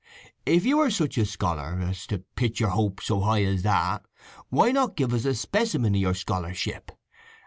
"If you are such a scholar as to pitch yer hopes so high as that, why not give us a specimen of your scholarship?